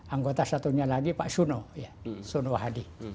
anggota satunya lagi pak suno suno wahadi